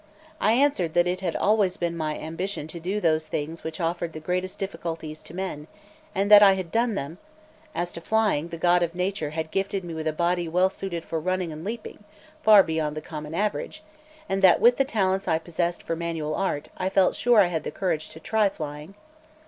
I answered that it had always been my ambition to do those things which offer the greatest difficulties to men, and that I had done them; as to flying, the God of Nature had gifted me with a body well suited for running and leaping far beyond the common average, and that with the talents I possessed for manual art I felt sure I had the courage to try flying.